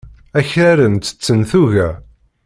Akraren ttetten tuga.